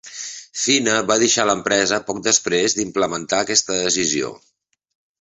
Fine va deixar l'empresa poc després d'implementar aquesta decisió.